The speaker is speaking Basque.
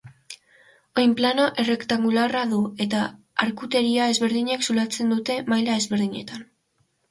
Oinplano errektangularra du eta arkuteria ezberdinek zulatzen dute maila ezberdinetan.